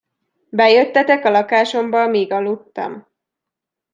Bejöttetek a lakásomba amíg aludtam?!